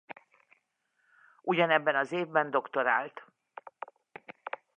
Ugyanebben az évben doktorált.